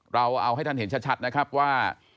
เราเอาให้ท่านเห็นชัดนะครับว่า